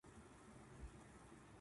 静岡県